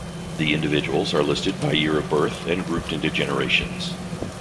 The individuals are listed by year of birth and grouped into generations.